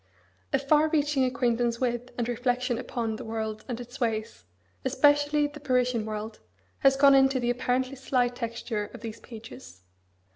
A far reaching acquaintance with, and reflection upon, the world and its ways, especially the Parisian world, has gone into the apparently slight texture of these pages.